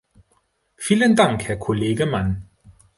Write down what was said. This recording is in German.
Vielen Dank, Herr Kollege Mann!